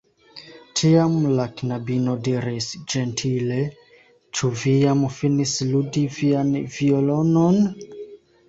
Tiam la knabino diris ĝentile: "Ĉu vi jam finis ludi vian violonon?"